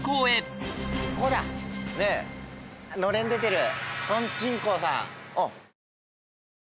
のれん出てる。